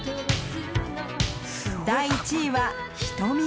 第１位は「瞳」